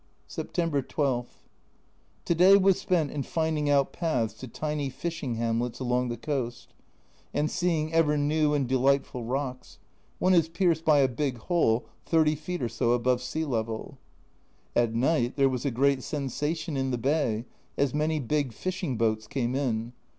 September 12. To day was spent in finding out paths to tiny fishing hamlets along the coast, and 30 A Journal from Japan seeing ever new and delightful rocks one is pierced by a big hole, 30 feet or so above sea level. At night there was a great sensation in the bay, as many big fishing boats came in.